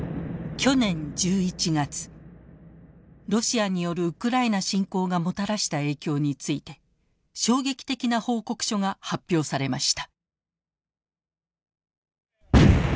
去年１１月ロシアによるウクライナ侵攻がもたらした影響について衝撃的な報告書が発表されました。